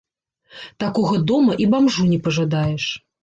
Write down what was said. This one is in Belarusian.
Такога дома і бамжу не пажадаеш.